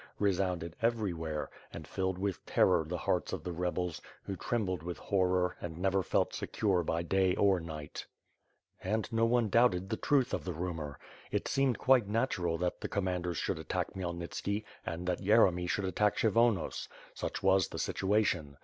resounded everywhere, and filled with terror the hearts of the rebels, who trembled with horror, and never felt secure by day or night. WITH FIRS AND SWORD. 469 And no one doubted the truth of the rumor. It seemed quite natural that the commanders should attack Khmyel nitski and that Yeremy should attack Kshyvonos; such was the situation.